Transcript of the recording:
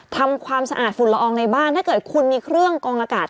ทำความสะอาดฝุ่นละอองในบ้านถ้าเกิดคุณมีเครื่องกองอากาศ